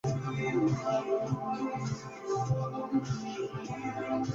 La palabra trinidad no aparece en la Biblia cristiana en ninguna parte.